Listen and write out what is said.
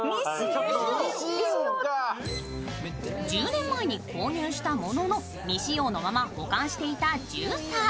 １０年前に購入したものの、未使用のまま保管していたジューサー。